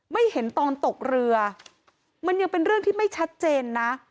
ไม่เห็นตอนตกเรือมันยังเป็นเรื่องที่ไม่ชัดเจนนะ